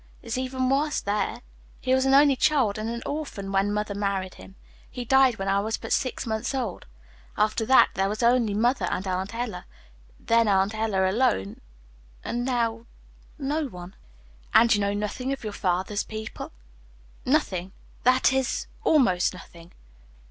"It's even worse there. He was an only child and an orphan when mother married him. He died when I was but six months old. After that there was only mother and Aunt Ella, then Aunt Ella alone; and now no one." "And you know nothing of your father's people?" "Nothing; that is almost nothing."